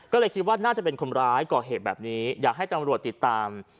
ก็เลยคิดว่าน่าจะเป็นคนร้ายก่อเหตุแบบนี้อยากให้ตำรวจติดตาม